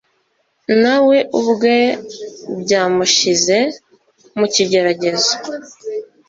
na we ubwe byamushyize mu kigeragezo.